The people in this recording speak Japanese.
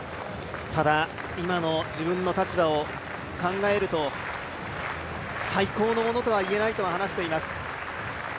ただ、今の自分の立場を考えると最高のものとは言えないとは話しています。